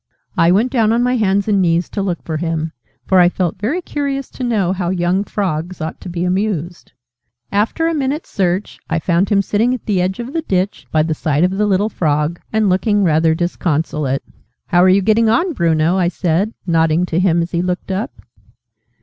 I went down on my hands and knees to look for him, for I felt very curious to know how young Frogs ought to be amused. After a minute's search, I found him sitting at the edge of the ditch, by the side of the little Frog, and looking rather disconsolate. "How are you getting on, Bruno?" I said, nodding to him as he looked up.